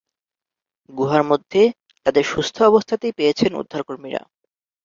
গুহার মধ্যে তাদের সুস্থ অবস্থাতেই পেয়েছেন উদ্ধারকর্মীরা।